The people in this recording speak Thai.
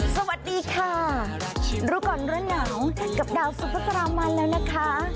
สวัสดีค่ะรู้ก่อนร้อนหนาวกับดาวสุภาษามันแล้วนะคะ